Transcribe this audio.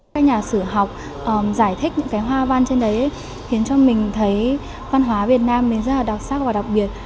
các nhà sử học giải thích những cái hoa văn trên đấy khiến cho mình thấy văn hóa việt nam mình rất là đặc sắc và đặc biệt